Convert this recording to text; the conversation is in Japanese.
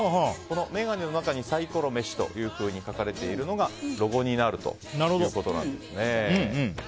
眼鏡の中に「サイコロ飯」と書かれているのがロゴになるということです。